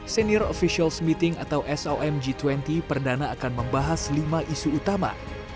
senior officials meeting atau som g dua puluh perdana akan membahas lima isu utama